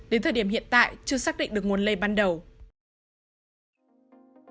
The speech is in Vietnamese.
đến thời điểm hiện tại chưa xác định được nguồn lây ban đầu